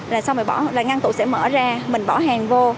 rồi sau này ngăn tủ sẽ mở ra mình bỏ hàng vô